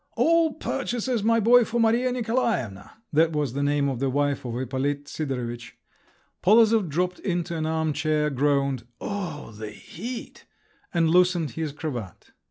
"All purchases, my boy, for Maria Nikolaevna!" (that was the name of the wife of Ippolit Sidorovitch). Polozov dropped into an arm chair, groaned, "Oh, the heat!" and loosened his cravat.